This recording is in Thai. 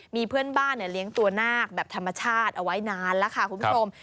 มีเพื่อนบ้านเลี้ยงตัวนาคแบบธรรมชาติเอาไว้นานแล้วค่ะคุณผู้ชม